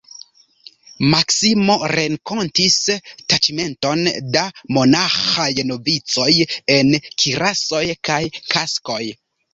Maksimo renkontis taĉmenton da monaĥaj novicoj en kirasoj kaj kaskoj.